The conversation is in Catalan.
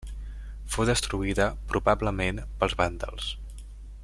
Fou destruïda probablement pels vàndals.